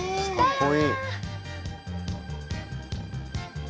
かっこいい。